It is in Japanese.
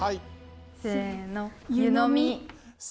せの。